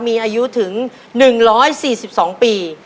มีอายุถึง๑๔๒ปี